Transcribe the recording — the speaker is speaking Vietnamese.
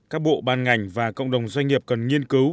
các bộ ban ngành và cộng đồng doanh nghiệp cần nghiên cứu